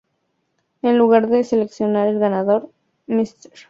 En lugar de seleccionar el ganador, Mr.